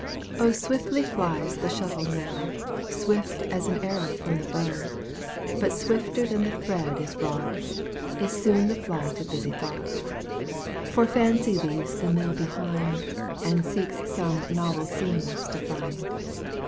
O Swiftly flies the shuttle now, Swift as an arrow from the bow: But swifter than the thread is wrought, Is soon the flight of busy thought; For Fancy leaves the mill behind, And seeks some novel scenes to find.